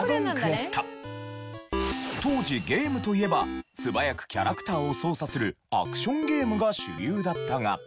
当時ゲームといえば素早くキャラクターを操作するアクションゲームが主流だったが。